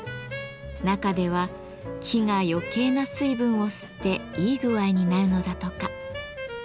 中では木が余計な水分を吸っていい具合になるのだとか。